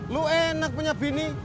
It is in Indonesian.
lu enak punya bini